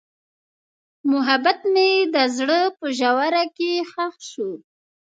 محبت مې د زړه په ژوره کې ښخ شو.